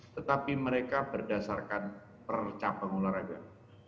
tetapi mereka berdasarkan percapa ngular agar